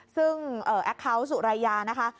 ซึ่งแอคเคาน์สุรายยานะคะ